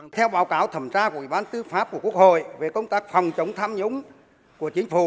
theo báo cáo thẩm tra của ủy ban tư pháp của quốc hội về công tác phòng chống tham nhũng của chính phủ